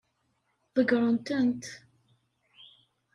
Ḍeggṛen-tent.